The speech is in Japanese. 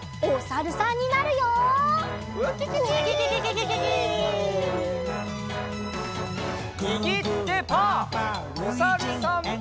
おさるさん。